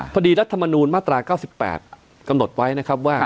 รัฐมนูลมาตรา๙๘กำหนดไว้นะครับว่า